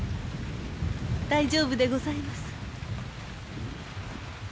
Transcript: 大丈夫でございます。